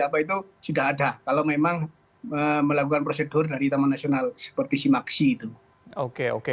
apa itu sudah ada kalau memang melakukan prosedur dari taman nasional seperti simaksi itu oke oke